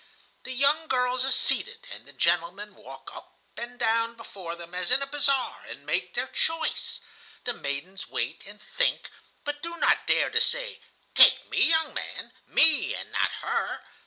The young girls are seated, and the gentlemen walk up and down before them, as in a bazaar, and make their choice. The maidens wait and think, but do not dare to say: 'Take me, young man, me and not her.